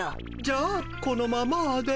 じゃあこのままで。